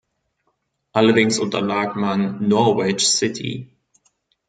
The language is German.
Allerdings unterlag man Norwich City.